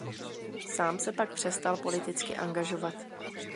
Sám se pak přestal politicky angažovat.